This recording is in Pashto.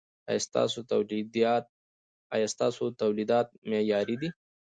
ایا ستاسو تولیدات معیاري دي؟